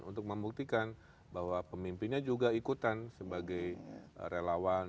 untuk membuktikan bahwa pemimpinnya juga ikutan sebagai relawan